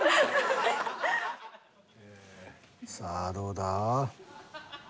さあどうだ？